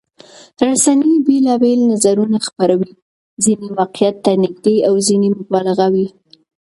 رسنۍ بېلابېل نظرونه خپروي، ځینې واقعيت ته نږدې او ځینې مبالغه وي.